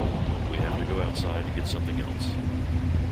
We have to go outside to get something else.